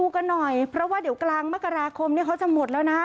กันหน่อยเพราะว่าเดี๋ยวกลางมกราคมเขาจะหมดแล้วนะ